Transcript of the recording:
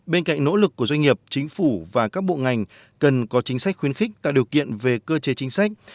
bên cạnh nỗ lực của doanh nghiệp chính phủ và các bộ ngành cần có chính sách khuyến khích tạo điều kiện về cơ chế chính sách